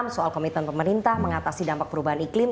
soal komitmen pemerintah mengatasi dampak perubahan iklim